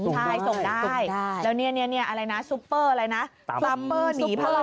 ใช่ส่งได้ส่งได้แล้วเนี้ยเนี้ยเนี้ยอะไรนะซุปเปอร์อะไรนะซุปเปอร์หนีพะลอ